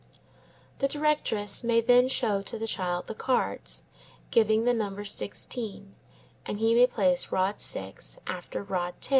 The directress may then show to the child the cards, giving the number 16, and he may place rod 6 after rod 10.